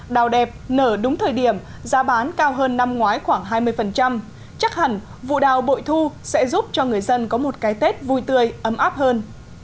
đào đẹp nở đúng thời điểm giá bán cao hơn năm ngoái khoảng hai mươi chắc hẳn vụ đào bội thu sẽ giúp cho người dân có một cái tết vui tươi ấm áp hơn